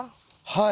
はい。